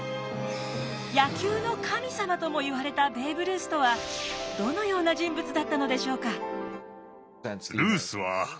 野球の神様ともいわれたベーブ・ルースとはどのような人物だったのでしょうか？